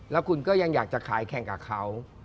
แล้วคุณก็ยังอยากจะขายแข่งกับเขา